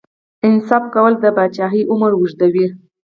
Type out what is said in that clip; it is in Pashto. انصاف کول د پاچاهۍ عمر اوږدوي.